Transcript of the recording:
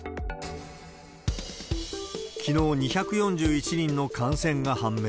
きのう、２４１人の感染が判明。